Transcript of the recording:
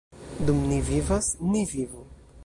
Dum ni vivas, ni vivu!